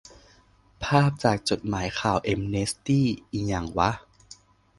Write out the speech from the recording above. ภาพจากจดหมายข่าวแอมเนสตี้ อิหยังวะ